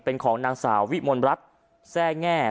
เป็นของนางสาววิมลรัฐแทร่แง่